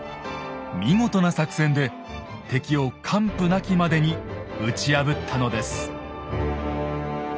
見事な作戦で敵を完膚なきまでに打ち破ったのです。